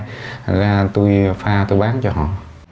thành ra tôi pha tôi bán cho họ